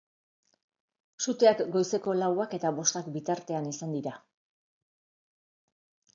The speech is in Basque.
Suteak goizeko lauak eta bostak bitartean izan dira.